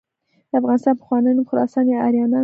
د افغانستان پخوانی نوم خراسان یا آریانا نه و.